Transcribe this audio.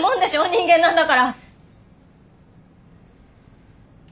人間なんだから！